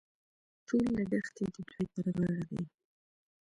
ټول لګښت یې د دوی پر غاړه دي.